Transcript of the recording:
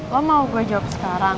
lo mau gue jawab sekarang